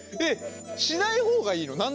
えしない方がいいの？